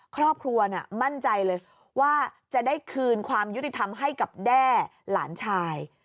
ครอบครัวมั่นใจเลยว่าจะได้คืนความยุติธรรมให้กับแด้หลานชาย